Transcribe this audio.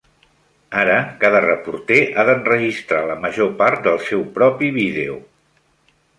Ara cada reporter ha d'enregistrar la major part del seu propi vídeo.